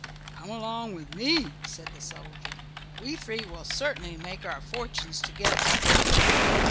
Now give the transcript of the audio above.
"Come along with me," said the soldier, "we three will certainly make our fortunes together."